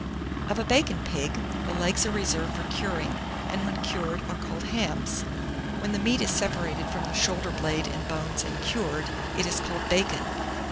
Of a bacon pig, the legs are reserved for curing, and when cured are called hams: when the meat is separated from the shoulder blade and bones and cured, it is called bacon.